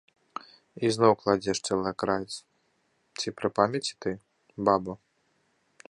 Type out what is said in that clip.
Ізноў кладзеш цэлы акраец, ці пры памяці ты, баба?